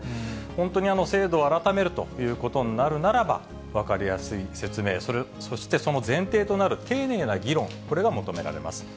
本当に制度を改めるということになるならば、分かりやすい説明、そしてその前提となる丁寧な議論、これが求められます。